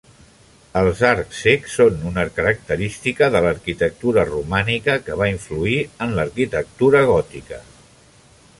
Els arcs cecs són una característica de l'arquitectura romànica que va influir en l'arquitectura gòtica.